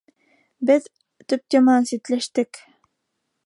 Беҙ төп теманан ситләштек.